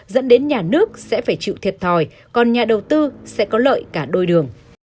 dẫn đến nhà nước sẽ phải chịu thiệt thòi còn nhà đầu tư sẽ có lợi cả đôi đường